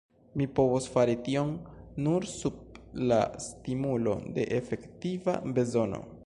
Mi povos fari tion nur sub la stimulo de efektiva bezono.